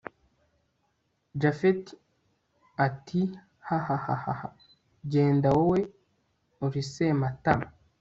japhet ati hahahaha genda wowe uri sematama